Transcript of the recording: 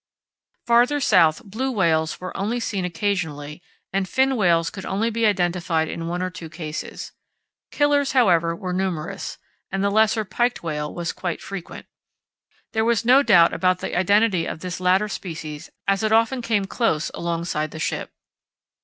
Farther south, blue whales were only seen occasionally, and fin whales could only be identified in one or two cases. Killers, however, were numerous, and the lesser piked whale was quite frequent. There was no doubt about the identity of this latter species as it often came close alongside the ship.